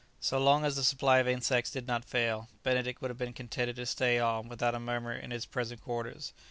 ] So long as the supply of insects did not fail, Benedict would have been contented to stay on without a murmur in his present quarters.